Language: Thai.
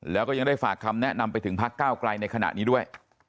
แล้วก็ยังได้ฝากคำแนะนำไปถึงพักก้าวไกลในขณะนี้ด้วย